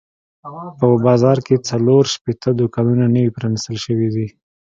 په بازار کې څلور شپېته دوکانونه نوي پرانیستل شوي دي.